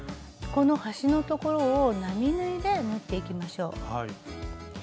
この端の所を並縫いで縫っていきましょう。